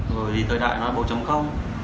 rồi thì thời đại nó bổ chấm không